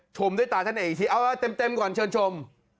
ชมด้วยตาท่านเองอีกทีเอาเต็มก่อนเชิญชม